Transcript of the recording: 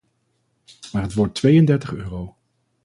Maar het wordt tweeëndertig euro.